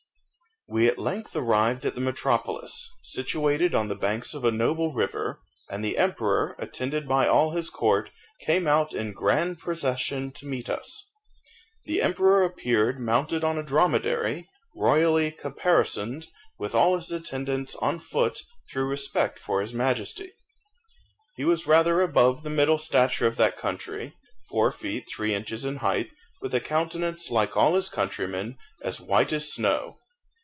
We at length arrived at the metropolis, situated on the banks of a noble river, and the emperor, attended by all his court, came out in grand procession to meet us. The emperor appeared mounted on a dromedary, royally caparisoned, with all his attendants on foot through respect for his Majesty. He was rather above the middle stature of that country, four feet three inches in height, with a countenance, like all his countrymen, as white as snow!